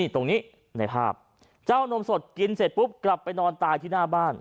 ตรงนี้ในภาพเจ้านมสดกินเสร็จปุ๊บกลับไปนอนตายที่หน้าบ้าน